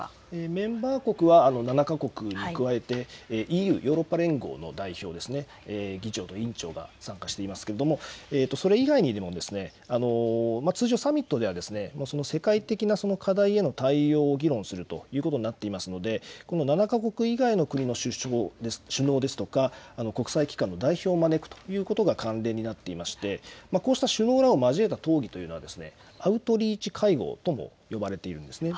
メンバー国は７か国に加えてＥＵ・ヨーロッパ連合の代表、議長と委員長が参加していますけれどもそれ以外に通常、サミットでは世界的な課題への対応を議論するということになっていますので７か国以外の国の首脳ですとか国際機関の代表を招くということ慣例になっていましてこうした首脳らを交えた討議というのはアウトリーチ会合とも呼ばれているんですね。